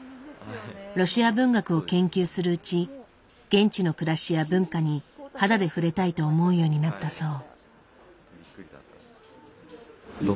ロシア文学を研究するうち現地の暮らしや文化に肌で触れたいと思うようになったそう。